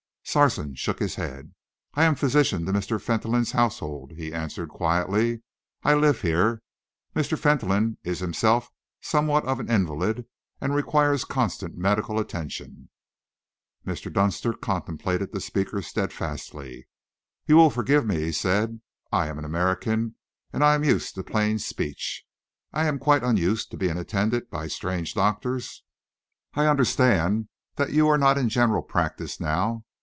Sarson shook his head. "I am physician to Mr. Fentolin's household," he answered quietly. "I live here. Mr. Fentolin is himself somewhat of an invalid and requires constant medical attention." Mr. Dunster contemplated the speaker steadfastly. "You will forgive me," he said. "I am an American and I am used to plain speech. I am quite unused to being attended by strange doctors. I understand that you are not in general practice now.